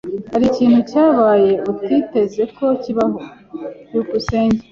Hari ikintu cyabaye utiteze ko kibaho? byukusenge